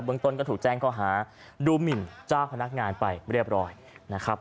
เมืองต้นก็ถูกแจ้งข้อหาดูหมินเจ้าพนักงานไปเรียบร้อยนะครับ